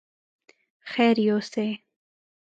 خير يوسې!